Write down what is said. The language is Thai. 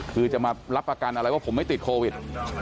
คือจะมารับประกันอะไรว่าผมไม่ติดโควิด